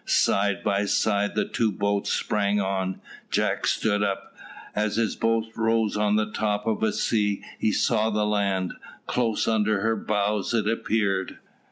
Side by side the two boats sprang on. Jack stood up. As his boat rose on the top of a sea, he saw the land: close under her bows it appeared.